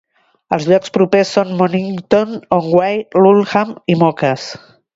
Els llocs propers són Monnington on Wye, Lulham i Moccas.